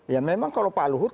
ya memang kalau pak luhut